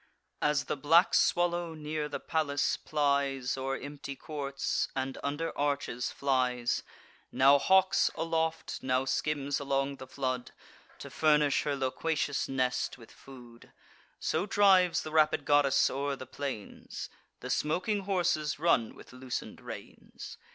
As the black swallow near the palace plies; O'er empty courts, and under arches, flies; Now hawks aloft, now skims along the flood, To furnish her loquacious nest with food: So drives the rapid goddess o'er the plains; The smoking horses run with loosen'd reins.